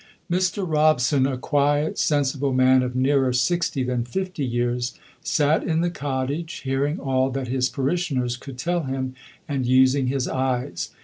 Mr. Robson, a quiet sensible man of nearer sixty than fifty years, sat in the cottage, hearing all that his parishioners could tell him and using his eyes.